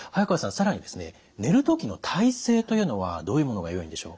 更にですね寝る時の体勢というのはどういうものがよいんでしょう？